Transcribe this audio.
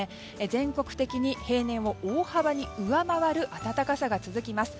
全国的に平年を大幅に上回る暖かさが続きます。